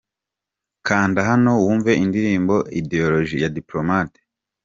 Kanda hano wumve indirimbo 'Ideoloji' ya Diplomate.